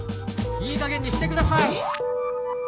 いいかげんにしてください！